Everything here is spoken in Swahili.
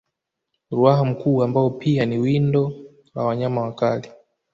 Ruaha mkuu ambao pia ni windo la wanyama wakali